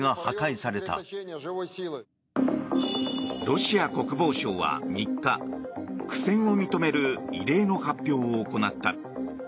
ロシア国防省は３日苦戦を認める異例の発表を行った。